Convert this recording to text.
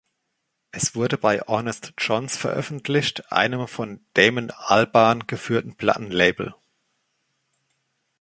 Es wurde bei Honest Jon‘s veröffentlicht, einem von Damon Albarn geführten Plattenlabel.